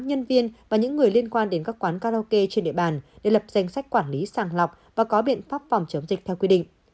nhân viên và những người liên quan đến các quán karaoke trên địa bàn để lập danh sách quản lý sàng lọc và có biện pháp phòng chống dịch theo quy định